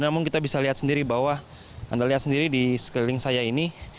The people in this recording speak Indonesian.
namun kita bisa lihat sendiri bahwa anda lihat sendiri di sekeliling saya ini